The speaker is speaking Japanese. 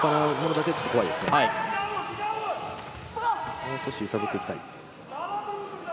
もう少し揺さぶっていきたい。